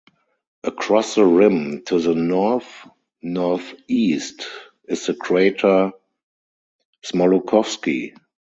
Across the rim to the north-northeast is the crater Smoluchowski.